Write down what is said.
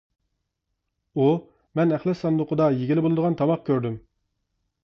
ئۇ: مەن ئەخلەت ساندۇقىدا يېگىلى بولىدىغان تاماق كۆردۈم.